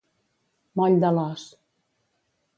Moll de l'os.